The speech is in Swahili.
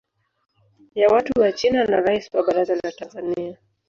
ya watu wa China na Rais wa baraza la Tanzania